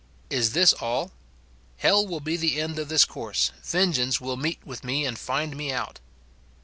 Is this all, —" Hell will be the end of this course ; vengeance will meet with me and find me out